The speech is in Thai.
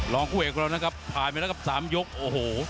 รองคู่เอกเรานะครับผ่านไปแล้วกับ๓ยกโอ้โห